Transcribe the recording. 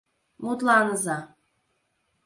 Мутланыза.